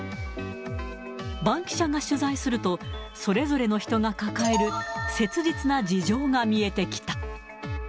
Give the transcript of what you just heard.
バンキシャが取材すると、それぞれの人が抱える切実な事情が見えてきた。